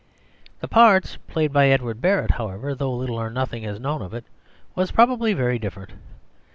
The parts played by Edward Barrett, however, though little or nothing is known of it, was probably very different.